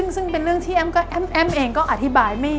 ซึ่งเป็นเรื่องที่แอ้มเองก็อธิบาย